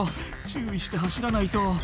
「注意して走らないと」